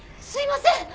すいません。